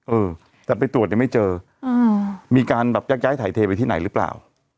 เออแต่ไปตรวจยังไม่เจอมีการแบบยักย้ายถ่ายเทไปที่ไหนหรือเปล่า